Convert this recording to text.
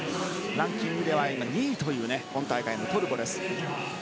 ランキングでは２位という今大会のトルコです。